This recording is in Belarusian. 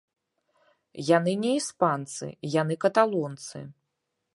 Яны не іспанцы, яны каталонцы.